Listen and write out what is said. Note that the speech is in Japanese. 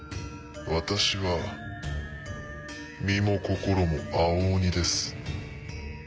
私は身も心も青鬼です。